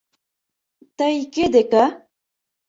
— Тый кӧ деке?